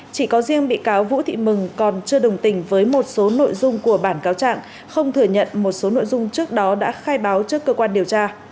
chỉ có riêng bị cáo vũ thị mừng còn chưa đồng tình với một số nội dung của bản cáo trạng không thừa nhận một số nội dung trước đó đã khai báo trước cơ quan điều tra